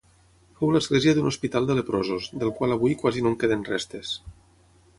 Fou l'església d'un hospital de leprosos, del qual avui quasi no en queden restes.